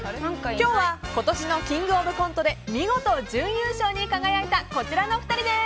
今日は今年の「キングオブコント」で見事準優勝に輝いたこちらのお二人です！